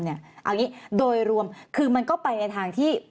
เอาอย่างนี้โดยรวมคือมันก็ไปในทางที่